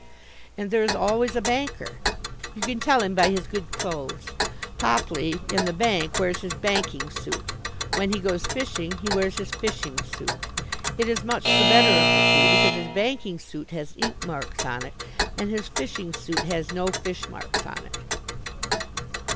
And there is always a banker. You can tell him by his good clothes. Popley, in the bank, wears his banking suit. When he goes fishing he wears his fishing suit. It is much the better of the two, because his banking suit has ink marks on it, and his fishing suit has no fish marks on it.